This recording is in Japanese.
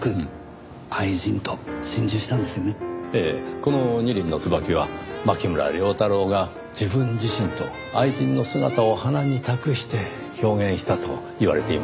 この２輪の椿は牧村遼太郎が自分自身と愛人の姿を花に託して表現したといわれていますねぇ。